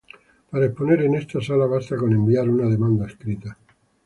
Para exponer en esta sala basta con enviar una demanda escrita.